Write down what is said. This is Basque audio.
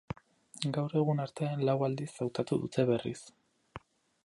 Gaur egun arte, lau aldiz hautatu dute berriz.